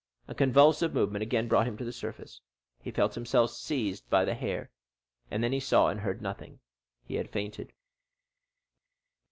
A convulsive movement again brought him to the surface. He felt himself seized by the hair, then he saw and heard nothing. He had fainted.